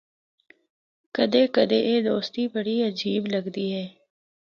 کدے کدے اے دوستی بڑی عجیب لگدی ہے۔